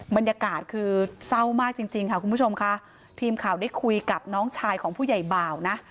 บรรยากาศคือเศร้ามากจริงจริงค่ะคุณผู้ชมค่ะทีมข่าวได้คุยกับน้องชายของผู้ใหญ่บ่าวนะ